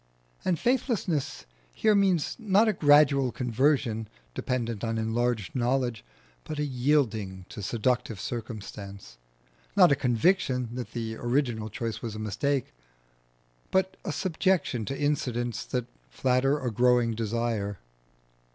And faithlessness here means not a gradual conversion dependent on enlarged knowledge, but a yielding to seductive circumstance; not a conviction that the original choice was a mistake, but a subjection to incidents that flatter a growing desire.